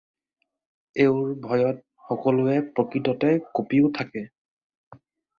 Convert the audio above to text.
এওঁৰ ভয়ত সকলোৱে প্ৰকৃততে কঁপিও থাকে।